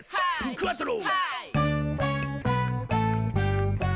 クアトロ！」